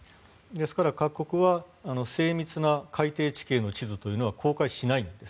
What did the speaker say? ですから、各国は精密な海底地形の地図というのは公開しないんです。